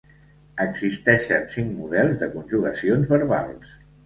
Existeixen cinc models de conjugacions verbals.